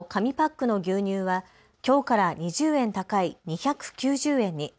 １リットル当たりの紙パックの牛乳はきょうから２０円高い２９０円に。